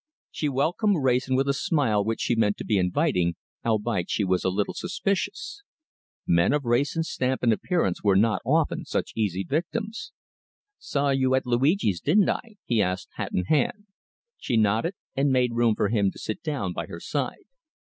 She welcomed Wrayson with a smile which she meant to be inviting, albeit she was a little suspicious. Men of Wrayson's stamp and appearance were not often such easy victims. "Saw you at Luigi's, didn't I?" he asked, hat in hand. She nodded, and made room for him to sit down by her side.